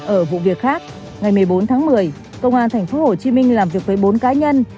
ở vụ việc khác ngày một mươi bốn tháng một mươi công an tp hồ chí minh làm việc với bốn cá nhân